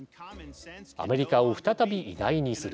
アメリカを再び偉大にする。